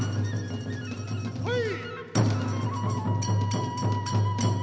はい！